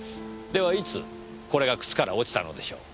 ではいつこれが靴から落ちたのでしょう？